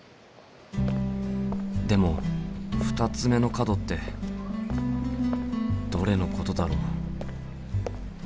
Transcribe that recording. でも２つ目の角ってどれのことだろう？